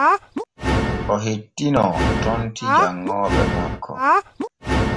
O hettinoo tonti janŋooɓe makko.